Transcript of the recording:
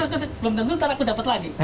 belum tentu nanti aku dapet lagi